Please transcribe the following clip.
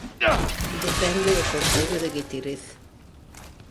Depende do Concello de Guitiriz